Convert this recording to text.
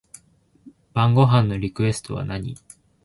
晩ご飯のリクエストは何